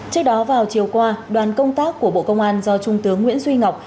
trước đó vào chiều qua đoàn công tác của bộ công an do trung tướng nguyễn duy ngọc